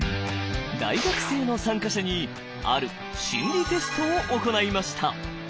大学生の参加者にある心理テストを行いました。